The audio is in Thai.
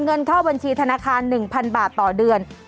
ใช้เมียได้ตลอด